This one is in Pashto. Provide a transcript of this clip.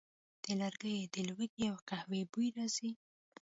د لرګیو د لوګي او قهوې بوی راځي